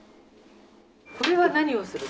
これは何をするか。